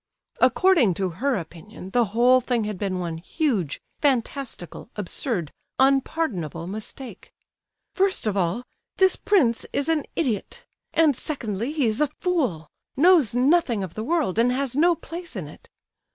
According to her opinion, the whole thing had been one huge, fantastical, absurd, unpardonable mistake. "First of all, this prince is an idiot, and, secondly, he is a fool—knows nothing of the world, and has no place in it.